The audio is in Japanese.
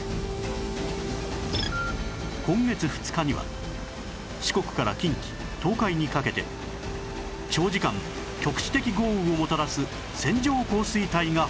今月２日には四国から近畿東海にかけて長時間局地的豪雨をもたらす線状降水帯が発生